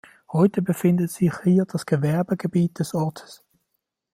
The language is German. Heute befindet sich hier das Gewerbegebiet des Ortes.